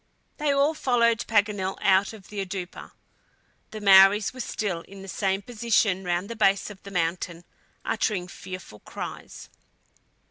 They all followed Paganel out of the "oudoupa." The Maories were still in the same position round the base of the mountain, uttering fearful cries.